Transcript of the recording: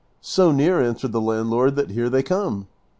" So near," answered the landlord, " that here they come."